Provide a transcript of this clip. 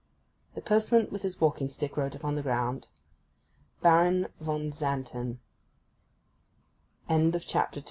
The postman with his walking stick wrote upon the ground, 'BARON VON XANTEN' CHAPTER III.